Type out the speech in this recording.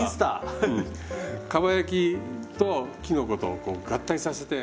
かば焼きときのことこう合体させて。